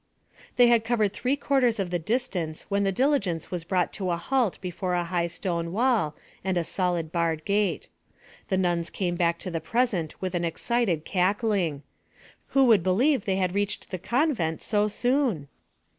They had covered three quarters of the distance when the diligence was brought to a halt before a high stone wall and a solid barred gate. The nuns came back to the present with an excited cackling. Who would believe they had reached the convent so soon!